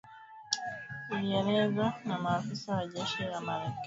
ilielezewa na maafisa wa jeshi la Marekani na kijasusi kama